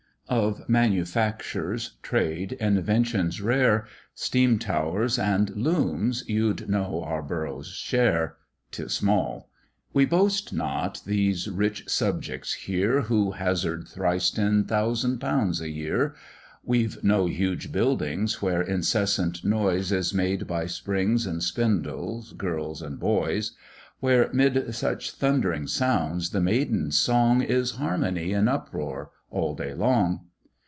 OF manufactures, trade, inventions rare, Steam towers and looms, you'd know our Borough's share 'Tis small: we boast not these rich subjects here, Who hazard thrice ten thousand pounds a year; We've no huge buildings, where incessant noise Is made by springs and spindles, girls and boys; Where, 'mid such thundering sounds, the maiden's song Is "Harmony in Uproar" all day long.